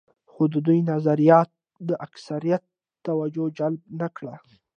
خو د دوی نظریاتو د اکثریت توجه جلب نه کړه.